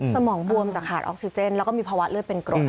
สมองบวมจากขาดออกซิเจนแล้วก็มีภาวะเลือดเป็นกรด